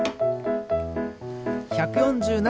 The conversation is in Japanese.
１４７。